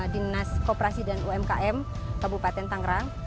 dinas koperasi dan umkm kabupaten tangerang